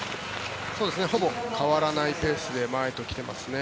ほぼ変わらないペースで前と来ていますね。